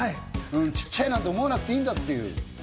ちっちゃいなんて思わなくていいんだっていう。